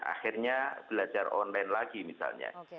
akhirnya belajar online lagi misalnya